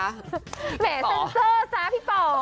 แหมเซ็นเซอร์ซะพี่ป๋อ